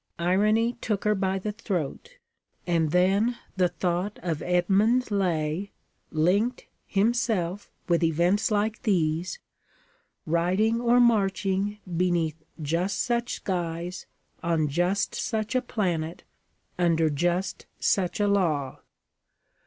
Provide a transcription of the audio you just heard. Irony took her by the throat; and then the thought of Edmund Laye linked, himself, with events like these, riding or marching beneath just such skies, on just such a planet, under just such a law.